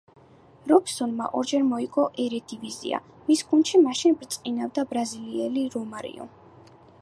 რობსონმა ორჯერ მოიგო ერედივიზია, მის გუნდში მაშინ ბრწყინავდა ბრაზილიელი რომარიო.